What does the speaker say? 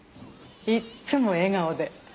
いつも笑顔で。